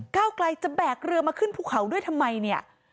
ก้าวไกลจะแบกเรือมาขึ้นภูเขาด้วยทำไมเนี่ย